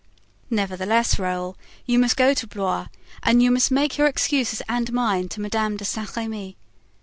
"Nevertheless, Raoul, you must go to Blois and you must make your excuses and mine to Madame de Saint Remy."